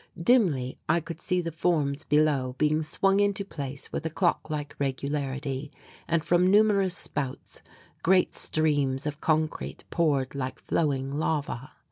Dimly I could see the forms below being swung into place with a clock like regularity and from numerous spouts great streams of concrete poured like flowing lava.